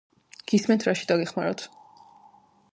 გისმენთ რაში დაგეხმაროთ